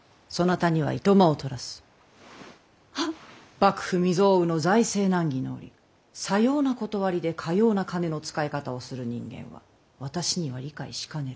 幕府未曽有の財政難儀の折さような理でかような金の使い方をする人間は私には理解しかねる。